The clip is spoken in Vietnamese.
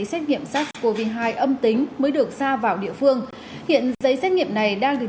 xin chào và hẹn gặp lại